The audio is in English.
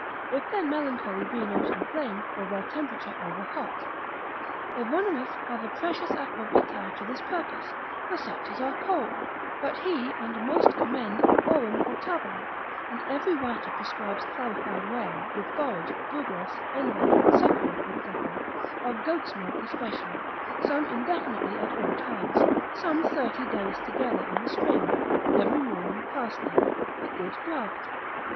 If their melancholy be not inflamed, or their temperature over hot. Evonimus hath a precious aquavitae to this purpose, for such as are cold. But he and most commend aurum potabile, and every writer prescribes clarified whey, with borage, bugloss, endive, succory, &c. of goat's milk especially, some indefinitely at all times, some thirty days together in the spring, every morning fasting, a good draught.